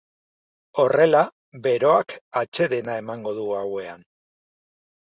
Horrela, beroak atsedena emango du gauean.